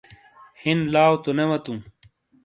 ہِین لاؤ تو نے وتو ؟